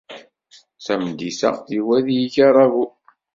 Tameddit-a, Yuba ad d-yeg aṛabul.